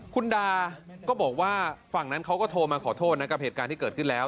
คุณดาก็บอกว่าฝั่งนั้นเขาก็โทรมาขอโทษนะกับเหตุการณ์ที่เกิดขึ้นแล้ว